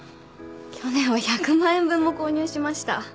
去年は１００万円分も購入しました。